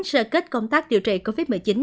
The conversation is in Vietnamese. sơ kết công tác điều trị covid một mươi chín